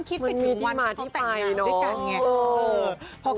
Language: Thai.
มีที่มาที่ไป